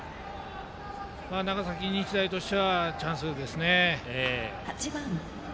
長崎日大としてはチャンスですね。